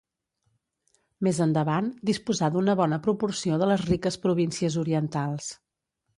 Més endavant, disposà d'una bona proporció de les riques províncies orientals.